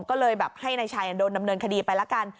ก็เลยแบบให้นายชัยโดนดำเนินคดีไปละกัน